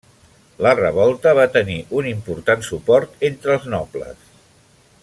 La revolta va tenir un important suport entre els nobles.